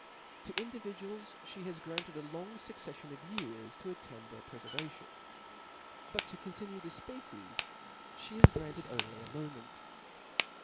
To individuals flie has granted a long fucccflion of years to attend to their ptc fcrvation ; but to continue the fpecies, (he has granted only a moment.